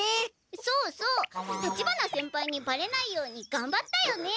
そうそう立花先輩にバレないようにがんばったよね。